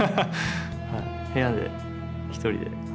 部屋で一人で。